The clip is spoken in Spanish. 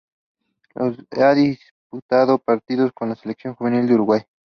Ha disputado partidos con la selección juvenil de Uruguay.